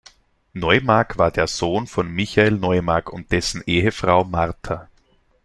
Neumark war der Sohn von Michael Neumark und dessen Ehefrau Martha.